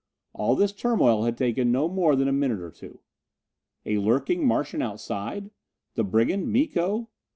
All this turmoil had taken no more than a minute or two. A lurking Martian outside? The brigand, Miko?